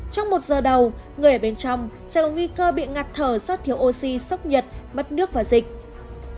trong một giờ đầu người ở bên trong sẽ có nguy cơ bị ngặt thở do thiếu oxy sốc nhiệt bất nước và dịch